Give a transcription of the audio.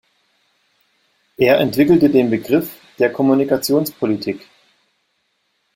Er entwickelte den Begriff der „Kommunikationspolitik“.